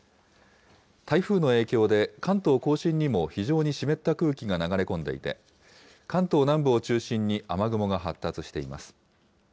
台風の影響で関東甲信にも非常に湿った空気が流れ込んでいて、関東南部を中心に雨雲が発達しています。